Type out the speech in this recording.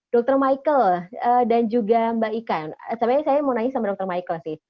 dr michael dan juga mbak ika sebenarnya saya mau nanya sama dokter michael sih